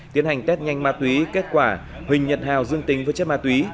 tiến hành test nhanh ma túy kết quả huỳnh nhật hào dương tính với chất ma túy